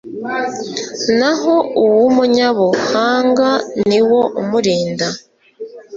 naho uw'umunyabuhanga ni wo umurinda